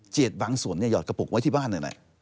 เจตบางส่วนหยอดกระปุกไว้ที่บ้านนั่นแหละ